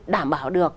đảm bảo được